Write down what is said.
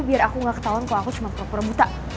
biar aku gak ketauan kalo aku cuma pura pura buta